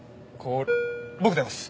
僕出ます！